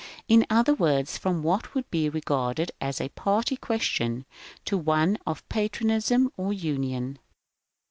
In other words, from what would be regarded as a party question, to one of Patriotism or Union.